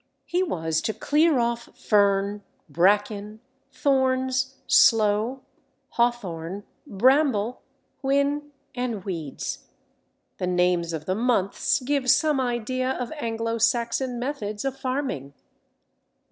He was to clear off fern, bracken, thorns, sloe, hawthorn, bramble, whin, and weeds. The names of the months give some idea of Anglo Saxon methods of farming.